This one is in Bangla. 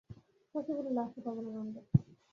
শশী বলিল, আসতে পারব না নন্দ।